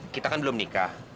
kita kan belum nikah